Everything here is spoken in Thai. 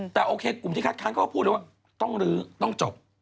แต่โอเคกลุ่มที่คัดค้านเขาก็พูดเลยว่าต้องลื้อต้องจบ